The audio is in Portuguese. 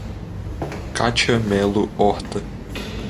Kátia Melo Horta